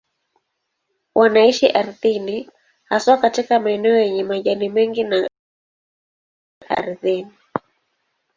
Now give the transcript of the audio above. Wanaishi ardhini, haswa katika maeneo yenye majani mengi na takataka kama haya ardhini.